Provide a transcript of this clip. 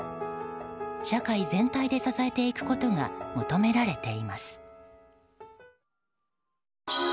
社会全体で支えていくことが求められています。